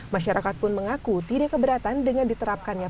masyarakat pun mengaku tidak keberatan dengan diterapkannya